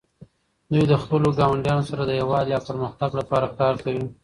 دوی د خپلو ګاونډیانو سره د یووالي او پرمختګ لپاره کار کوي.